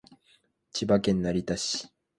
千葉県成田市